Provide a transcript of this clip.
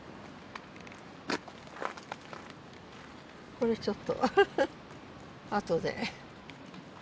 これちょっと後で。